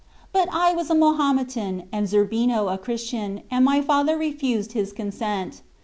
But I was a Mahometan, and Zerbino a Christian, and my father refused his consent.